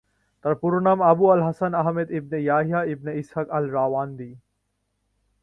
তার পুরো নাম: Abu al Hasan Ahmad ibn Yahya ibn Ishaq আল-রাওয়ান্দি।